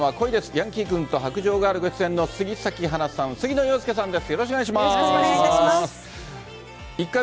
ヤンキー君と白杖ガールご出演の杉咲花さん、杉野遥亮さんです。